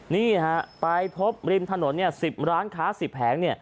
นี่ฮะไปพบริมถนน๑๐ร้านค้า๑๐แผง